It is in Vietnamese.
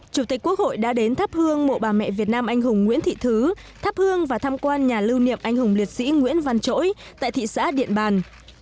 chủ tịch quốc hội đã đến thắp hương mộ bà mẹ việt nam anh hùng nguyễn thị thứ thắp hương và tham quan nhà lưu niệm anh hùng liệt sĩ nguyễn văn trỗi tại thị xã điện bàn